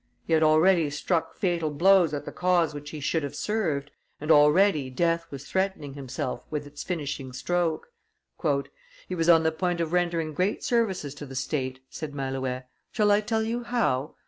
He had already struck fatal blows at the cause which he should have served, and already death was threatening himself with its finishing stroke. "He was on the point of rendering great services to the state," said Malouet: "shall I tell you how?